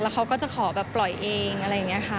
เขาก็จะขอแบบปล่อยเองอะไรอย่างนี้ค่ะ